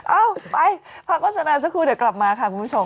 เอ้าไปพักโฆษณาสักครู่เดี๋ยวกลับมาค่ะคุณผู้ชม